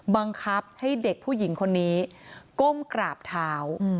บังคับให้เด็กผู้หญิงคนนี้ก้มกราบเท้า